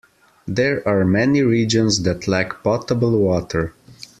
There are many regions that lack potable water.